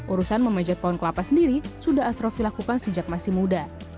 urusan memanjat pohon kelapa sendiri sudah asrofi lakukan sejak masih muda